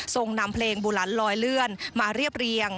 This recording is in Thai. นำเพลงบุหลันลอยเลื่อนมาเรียบเรียง